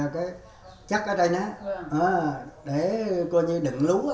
khi có gió